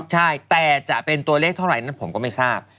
ใช่แต่จะเป็นตัวเลขเท่าไหร่นั้นผมก็ไม่ทราบ